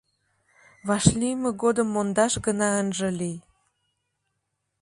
Вашлийме годым мондаш гына ынже лий.